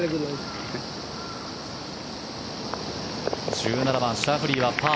１７番、シャフリーはパー。